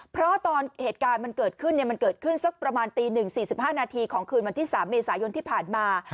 เพราะตอนเหตุการณ์มันเกิดขึ้นมันเกิดขึ้นสักประมาณตี๑๔๕นาทีของคืนวันที่๓เมษายนที่ผ่านมา